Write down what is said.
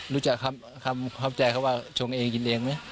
รู้จักคำคำขอบใจของเขาว่าชงเองกินเองไหม